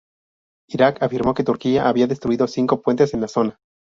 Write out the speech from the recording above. Irak, afirmó que Turquía había destruido cinco puentes en la zona.